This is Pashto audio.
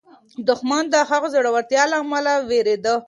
دښمن د هغه د زړورتیا له امله وېرېد.